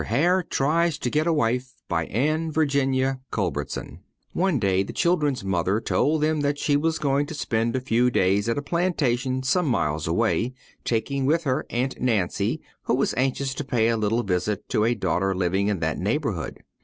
HARE TRIES TO GET A WIFE BY ANNE VIRGINIA CULBERTSON One day the children's mother told them that she was going to spend a few days at a plantation some miles away, taking with her Aunt Nancy, who was anxious to pay a little visit to a daughter living in that neighborhood.